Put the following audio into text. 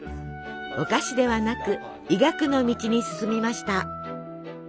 お菓子ではなく医学の道に進みました。